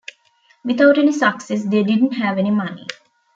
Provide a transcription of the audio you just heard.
Without any success they didn't have any money.